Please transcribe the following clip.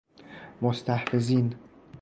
مستحفظین